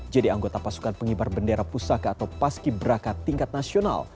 jadi anggota pasukan pengibar bendera pusaka atau paski berakat tingkat nasional